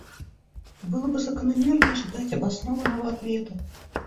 И было бы закономерно ожидать обоснованного ответа.